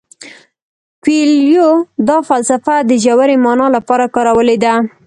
کویلیو دا فلسفه د ژورې مانا لپاره کارولې ده.